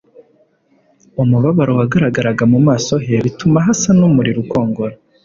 Umubabaro wagaragaraga mu maso he bituma hasa n'umuriro ukongora.